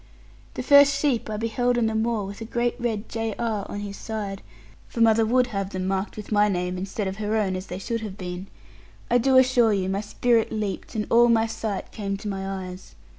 The first sheep I beheld on the moor with a great red J.R. on his side (for mother would have them marked with my name, instead of her own as they should have been), I do assure you my spirit leaped, and all my sight came to my eyes.